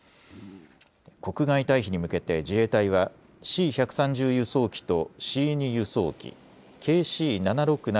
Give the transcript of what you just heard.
国外退避に向けて自衛隊はＣ１３０輸送機とＣ２輸送機、ＫＣ７６７